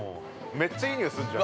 めっちゃいい匂いすんじゃん。